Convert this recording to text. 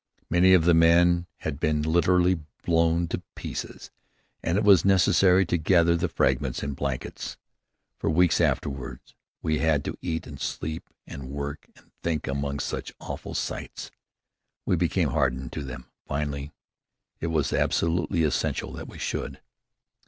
Many of the men had been literally blown to pieces, and it was necessary to gather the fragments in blankets. For weeks afterward we had to eat and sleep and work and think among such awful sights. We became hardened to them finally. It was absolutely essential that we should.